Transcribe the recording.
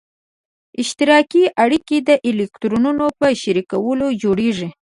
اشتراکي اړیکه د الکترونونو په شریکولو جوړیږي.